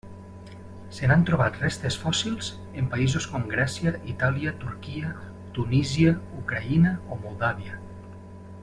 Se n'han trobat restes fòssils en països com Grècia, Itàlia, Turquia, Tunísia, Ucraïna o Moldàvia.